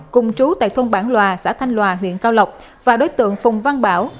cùng trú tại thôn bản lòa xã thanh lòa huyện cao lộc và đối tượng phùng văn bảo